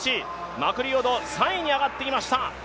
マクリオド、３位に上がってきました。